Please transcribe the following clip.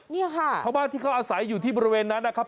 เนี่ยค่ะชาวบ้านที่เขาอาศัยอยู่ที่บริเวณนั้นนะครับ